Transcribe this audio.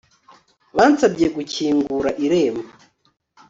Bansabye gukingura irembo